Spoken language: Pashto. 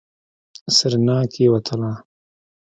سېرېنا کېوتله.